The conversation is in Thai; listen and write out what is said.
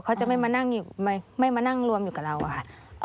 เขาจะไม่มานั่งรวมอยู่กับเราค่ะ